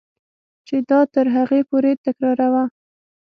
چې دا تر هغې پورې تکراروه.